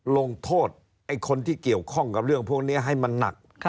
ลงโทษไอ้คนที่เกี่ยวข้องกับเรื่องพวกนี้ให้มันหนัก